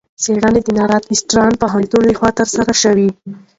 څېړنه د نارت وېسټرن پوهنتون لخوا ترسره شوې.